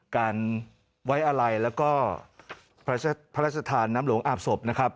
การไว้อะไรแล้วก็พระราชทานน้ำหลวงอาบศพนะครับ